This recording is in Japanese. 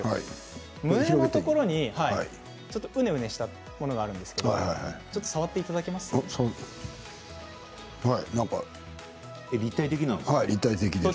胸のところにうねうねしたものがあるんですけれど触っていただけますか？